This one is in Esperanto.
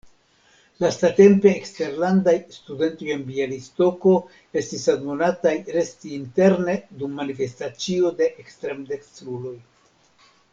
Lastatempe eksterlandaj studentoj en Bjalistoko estis admonataj resti interne dum manifestacio de ekstremdekstruloj.